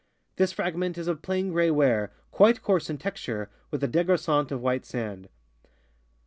This fragment is of plain gray ware, quite coarse in texture, with a degraissant of white sand.